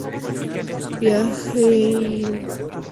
Vejiga natatoria ligeramente coloreada, adultos más plateado.